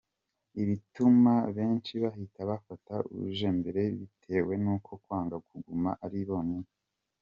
Ibi bituma benshi bahita bafata uje mbere bitewe no kwanga kuguma ari bonyine.